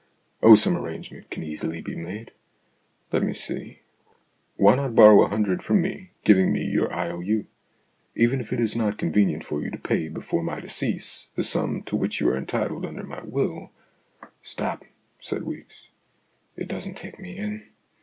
"Oh, some arrangement can easily be made. Let me see. Why not borrow a hundred from me, giving me your I.O.U. ? Even if it is not con venient for you to pay before my decease, the sum to which you are entitled under my will "" Stop," said Weeks. " It doesn't take me in.